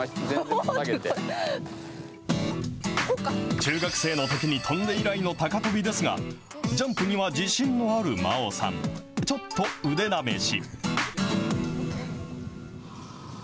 中学生のときに跳んで以来の高跳びですが、ジャンプには自信のある真央さん。ちょっと腕試し。